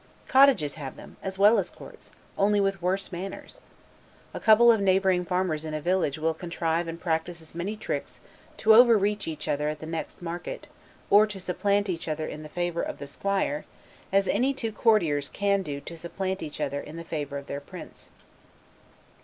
Cottages have them, as well as courts; only with worse manners. A couple of neighboring farmers in a village will contrive and practice as many tricks, to over reach each other at the next market, or to supplant each other in the favor, of the squire, as any two courtiers can do to supplant each other in the favor of their prince.